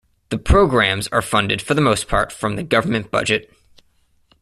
The programmes are funded for the most part from the government budget.